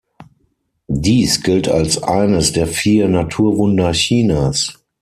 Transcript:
Dies gilt als eines der vier Naturwunder Chinas.